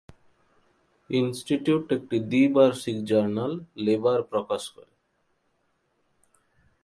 Institute একটি দ্বিবার্ষিক journal, Labour প্রকাশ করে।